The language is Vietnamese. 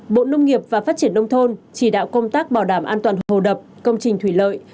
bốn bộ nông nghiệp và phát triển nông thôn chỉ đạo công tác bảo đảm an toàn hồ đập công trình thủy lợi